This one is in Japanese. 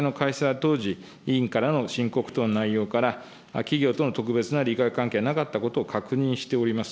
当時、委員からの申告等の内容から、企業との特別な利害関係がなかったことを確認しております。